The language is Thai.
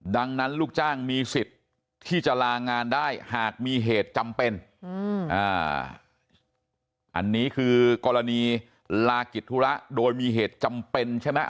ดังนั้นลูกจ้างมีสิทธิ์ที่จะลางานได้หากมีเหตุจำเป็นอันนี้คือกรณีลากิจธุระโดยมีเหตุจำเป็นใช่ไหม